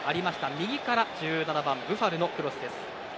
右から１７番、ブファルのクロス。